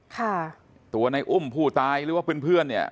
ค่ะตัวในอุ้มผู้ตายหรือว่าเพื่อนเพื่อนเนี่ย